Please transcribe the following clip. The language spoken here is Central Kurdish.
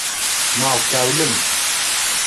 ماڵ کاولم